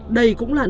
đây cũng là nơi